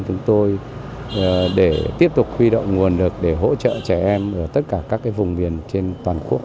chúng tôi để tiếp tục huy động nguồn lực để hỗ trợ trẻ em ở tất cả các vùng miền trên toàn quốc